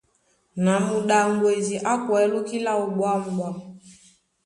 Na muɗaŋgwedi á kwɛ̌ lóki láō ɓwǎmɓwâm.